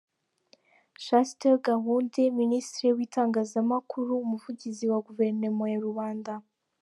Chaste Gahunde, Ministre w’Itangazamakuru, Umuvugizi wa Guverinoma ya rubanda